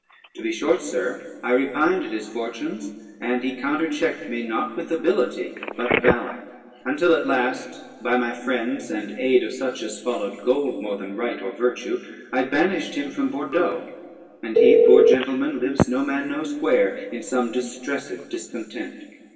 To be short, sir, I repined at his fortunes, and he counterchecked me, not with ability but valor, until at last, by my friends and aid of such as followed gold more than right or virtue, I banished him from Bordeaux, and he, poor gentleman, lives no man knows where, in some distressed discontent.